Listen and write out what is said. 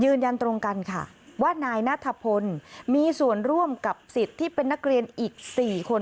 ยืนยันตรงกันค่ะว่านายนัทพลมีส่วนร่วมกับสิทธิ์ที่เป็นนักเรียนอีก๔คน